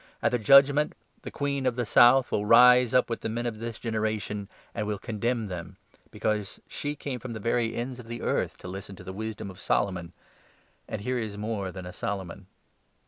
At 31 the Judgement the Queen of the South will rise up with the men of this generation, and will condemn them, because she came from the very ends of the earth to listen to the wisdom of Solomon ; and here is more than a Solomon